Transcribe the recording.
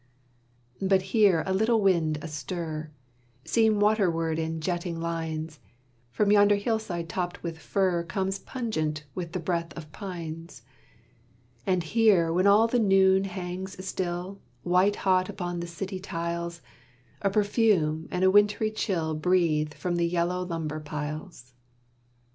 But here a little wind astir, Seen waterward in jetting lines, From yonder hillside topped with fir Comes pungent with the breath of pines; And here when all the noon hangs still, White hot upon the city tiles, A perfume and a wintry chill Breathe from the yellow lumber piles.